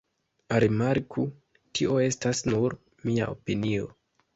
Rimarku: tio estas nur mia opinio.